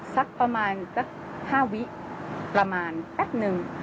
สักประมาณสัก๕วิประมาณแป๊บนึง